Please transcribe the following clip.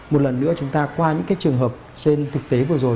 một lần nữa chúng ta qua những cái trường hợp trên thực tế vừa rồi